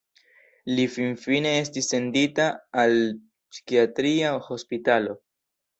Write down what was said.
Li finfine estis sendita al psikiatria hospitalo.